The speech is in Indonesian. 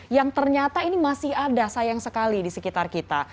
yang ternyata ini masih ada sayang sekali di sekitar kita